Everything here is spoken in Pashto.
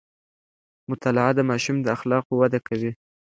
مطالعه د ماشوم د اخلاقو وده کوي.